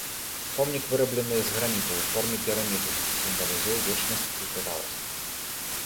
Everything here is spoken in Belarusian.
Помнік выраблены з граніту ў форме піраміды, сімвалізуе вечнасць і трываласць.